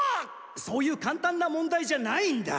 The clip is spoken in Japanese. そういうかんたんな問題じゃないんだ。